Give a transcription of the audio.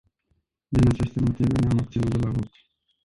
Din aceste motive, ne-am abținut de la vot.